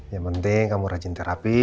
yang penting kamu rajin terapi